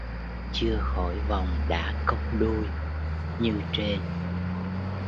Chưa khỏi vòng đã cong đuôi: như trên